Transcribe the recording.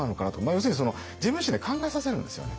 要するに自分の意思で考えさせるんですよね。